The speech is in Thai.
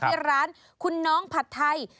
ที่ร้านคุณน้องผัดไทย